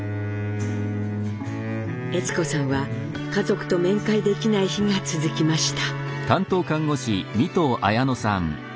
悦子さんは家族と面会できない日が続きました。